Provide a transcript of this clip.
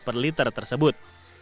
per liter tersebut